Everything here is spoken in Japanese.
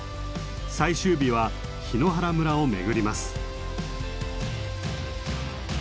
最終日は檜原村を巡ります。